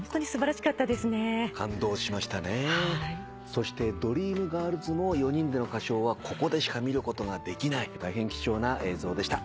そして『ドリームガールズ』も４人での歌唱はここでしか見ることができない大変貴重な映像でした。